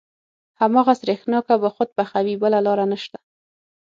هماغه سرېښناکه به خود پخوې بله لاره نشته.